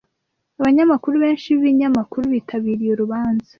Abanyamakuru benshi b'ibinyamakuru bitabiriye urubanza.